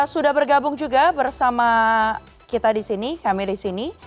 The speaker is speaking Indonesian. sudah bergabung juga bersama kami di sini